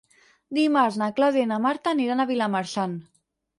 Dimarts na Clàudia i na Marta aniran a Vilamarxant.